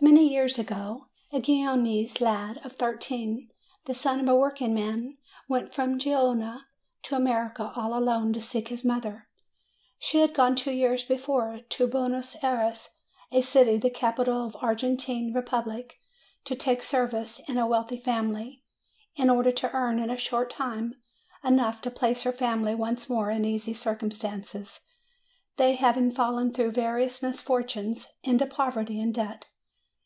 Many years ago a Genoese lad of thirteen, the son of a workingman, went from Genoa to America all alone to seek his mother. She had gone two years before to Buenos Ay res, a city, the capital of the Argentine Republic, to take service in a wealthy family, in order to earn in a short time enough to place her family once more in easy circumstances, they having fallen, through various misfortunes, into poverty and debt.